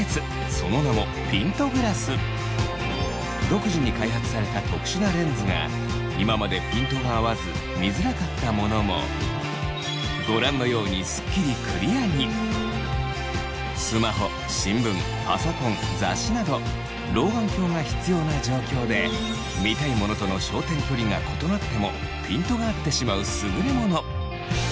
その名も独自に開発された特殊なレンズが今までピントが合わず見づらかったものもご覧のようにすっきりクリアに雑誌など老眼鏡が必要な状況で見たいものとの焦点距離が異なってもピントが合ってしまう優れもの